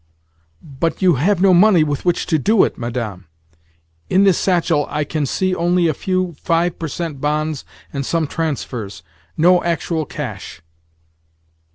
"But you have no money with which to do it, Madame. In this satchel I can see only a few five percent bonds and some transfers—no actual cash."